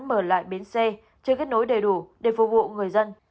mở lại bến xe chưa kết nối đầy đủ để phục vụ người dân